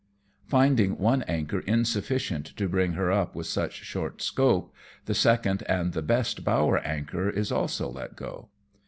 Finding one anchor insufficient to bring her up with such short scope, the second and best bower anchor is also let go.